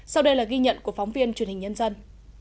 sau đây là ghi nhận của phóng viên truyền hình nhân dân